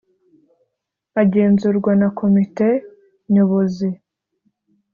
agenzurwa na komite nyobozi